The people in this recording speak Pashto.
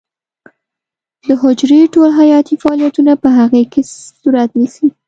د حجرې ټول حیاتي فعالیتونه په هغې کې صورت نیسي.